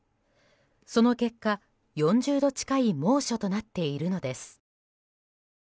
その結果、４０度近い猛暑となっているのです。